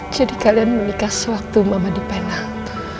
jadi kalian menikah sewaktu mama di penang